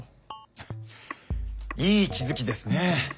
いい気付きですね。